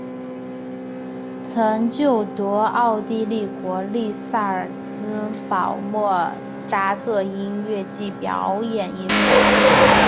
曾就读奥地利国立萨尔兹堡莫札特音乐暨表演艺术大学。